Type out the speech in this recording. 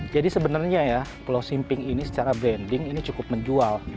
jadi sebenarnya ya pulau simping ini secara branding ini cukup menjual